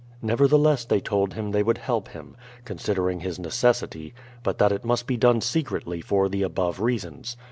Nevertheless, they told him they would help him, considering his necessity ; but that it must be done secretly for the above reasons.